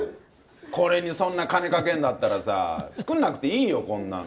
これにそんな金かけんだったらさ、作んなくていいよ、こんなの。